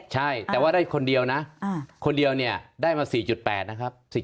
ใช่แต่ว่าได้คนเดียวนะคนเดียวเนี่ยได้มา๔๘นะครับ